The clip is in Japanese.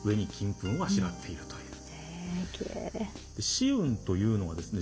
紫雲というのはですね